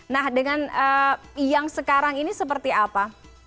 nah dengan yang sekarang ini seperti apa